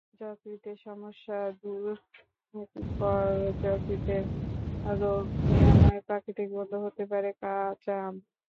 যকৃতের সমস্যা দূর করেযকৃতের রোগ নিরাময়ের প্রাকৃতিক বন্ধু হতে পারে কাঁচা আম।